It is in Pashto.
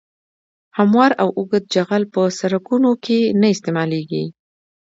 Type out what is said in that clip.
هموار او اوږد جغل په سرکونو کې نه استعمالیږي